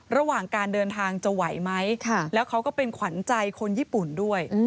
ระหว่างการเดินทางจะไหวไหมแล้วเขาก็เป็นขวัญใจคนญี่ปุ่นด้วย